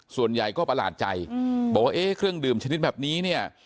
ส่วนใหญ่ก็ประหลาดใจบอกว่าเอ๊ะเครื่องดื่มชนิดแบบนี้เนี่ย